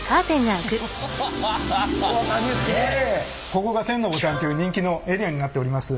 ここが１０００のボタンっていう人気のエリアになっております。